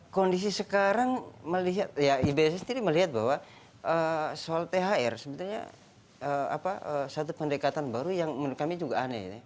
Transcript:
kondisi sekarang melihat ya ibs sendiri melihat bahwa soal thr sebenarnya satu pendekatan baru yang menurut kami juga aneh